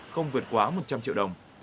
không vượt quá một trăm linh triệu đồng